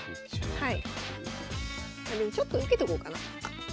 でもちょっと受けとこうかな。